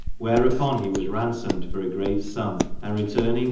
Wher apon he was raunsomid for a greate sum: and returning fo.